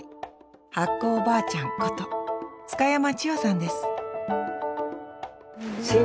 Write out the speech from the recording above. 発酵おばあちゃんこと津嘉山千代さんです